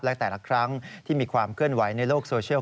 และแต่ละครั้งที่มีความเคลื่อนไหวในโลกโซเชียล